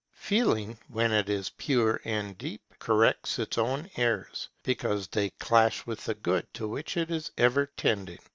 Feeling, when it is pure and deep, corrects its own errors, because they clash with the good to which it is ever tending.